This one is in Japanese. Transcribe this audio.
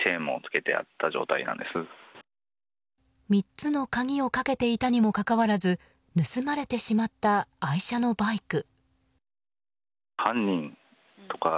３つの鍵をかけていたにもかかわらず盗まれてしまった愛車のバイク。